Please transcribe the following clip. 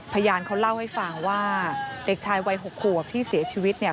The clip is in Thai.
พยานเขาเล่าให้ฟังว่าเด็กชายวัย๖ขวบที่เสียชีวิตเนี่ย